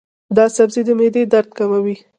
دا سبزی د معدې درد کموي.